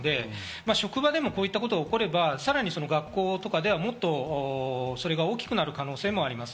職場でもこういったことが起これば、さらに学校とかではもっとそれが大きくなる可能性があります。